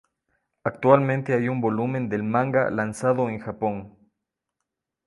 Actualmente hay un volumen del manga lanzado en Japón.